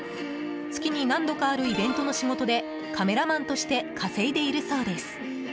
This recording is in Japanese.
月に何度かあるイベントの仕事でカメラマンとして稼いでいるそうです。